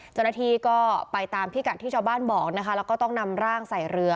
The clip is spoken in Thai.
เจ้าหน้าที่ก็ไปตามพิกัดที่ชาวบ้านบอกนะคะแล้วก็ต้องนำร่างใส่เรือ